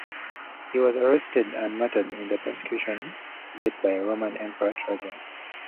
He was arrested and martyred in the persecution led by the Roman Emperor Trajan.